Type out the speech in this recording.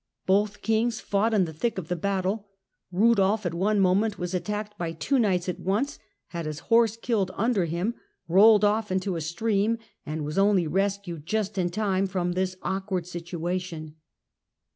Both Kings fought in the thick of ^"^^'^^^ the battle. Eudolf at one moment was attacked by two Knights at once, had his horse killed under him, rolled off into a stream and was only rescued just in time from this awkward situation.